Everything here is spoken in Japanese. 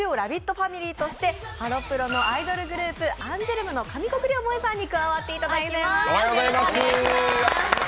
ファミリーとして、ハロプロのアイドルグループアンジュルムの上國料萌衣さんに加わっていただきます。